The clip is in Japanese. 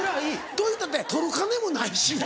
といったって取る金もないしな。